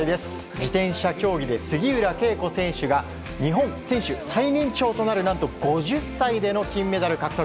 自転車競技で杉浦佳子選手が日本選手最年長となる５０歳での金メダル獲得。